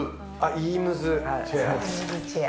イームズチェア。